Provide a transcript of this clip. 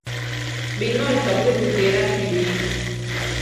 Binói towí ruyéra kili.